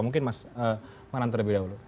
mungkin mas manan terlebih dahulu